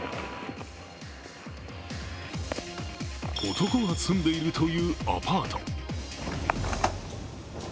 男が住んでいるというアパート。